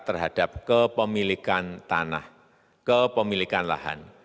terhadap kepemilikan tanah kepemilikan lahan